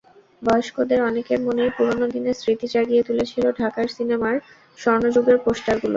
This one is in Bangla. বয়স্কদের অনেকের মনেই পুরোনো দিনের স্মৃতি জাগিয়ে তুলেছিল ঢাকার সিনেমার স্বর্ণযুগের পোস্টারগুলো।